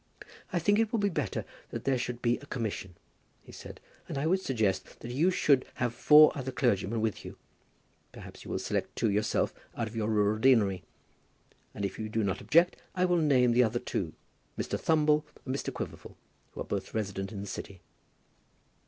"I think it will be better that there should be a commission," he said, "and I would suggest that you should have four other clergymen with you. Perhaps you will select two yourself out of your rural deanery; and, if you do not object, I will name as the other two Mr. Thumble and Mr. Quiverful, who are both resident in the city."